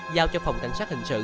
giao cho phòng cảnh sát hình sự